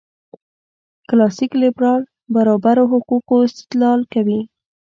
کلاسیک لېبرال برابرو حقوقو استدلال کوي.